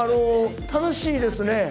楽しいですね。